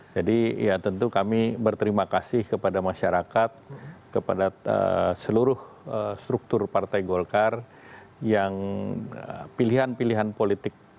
jadi ya tentu kami berterima kasih kepada masyarakat kepada seluruh struktur partai golkar yang pilihan pilihan politik